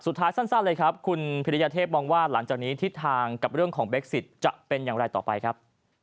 สั้นเลยครับคุณพิริยเทพมองว่าหลังจากนี้ทิศทางกับเรื่องของเบคซิตจะเป็นอย่างไรต่อไปครับ